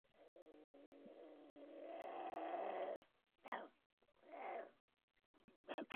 The album cover is a picture of the aftermath of the infamous Jonestown suicides.